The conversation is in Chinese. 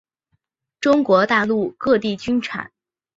中国大陆各地均产。